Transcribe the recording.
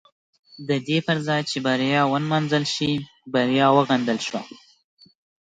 د دې پر ځای چې بریا ونمانځل شي بریا وغندل شوه.